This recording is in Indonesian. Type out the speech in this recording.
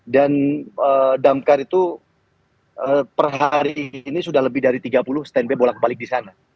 dan damkar itu per hari ini sudah lebih dari tiga puluh stand by bolak balik di sana